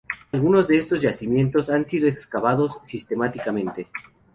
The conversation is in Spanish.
Algunos de estos yacimientos han sido excavados sistemáticamente.